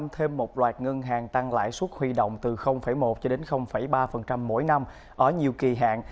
thêm một loạt ngân hàng tăng lãi suất huy động từ một cho đến ba mỗi năm ở nhiều kỳ hạn